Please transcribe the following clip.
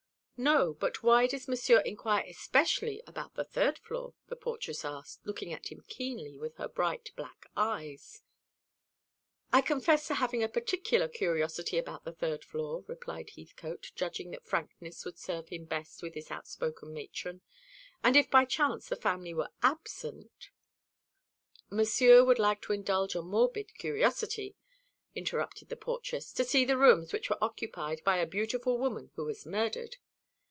"No. But why does Monsieur inquire especially about the third floor?" the portress asked, looking at him keenly with her bright black eyes. "I confess to having a particular curiosity about the third floor," replied Heathcote, judging that frankness would serve him best with this outspoken matron, "and if by any chance the family were absent " "Monsieur would like to indulge a morbid curiosity," interrupted the portress, "to see the rooms which were occupied by a beautiful woman who was murdered.